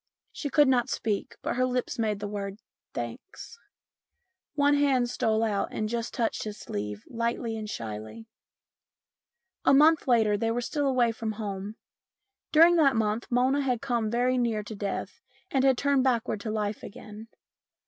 She could not speak, but her lips made the 224 STORIES IN GREY word, "Thanks." One hand stole out and just touched his sleeve, lightly and shyly. A month later they were still away from home. During that month Mona had come very near to death and had turned backward to life again.